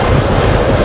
itu udah gila